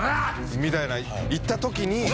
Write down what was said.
みたいな言った時に。